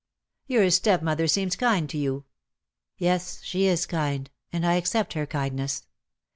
"Your stepmother seems kind to you." "Yes, she is kind, and I accept her kindness.